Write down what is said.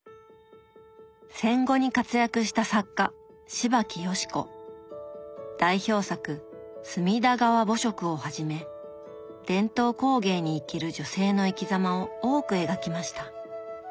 戦後に活躍した代表作「隅田川暮色」をはじめ伝統工芸に生きる女性の生きざまを多く描きました。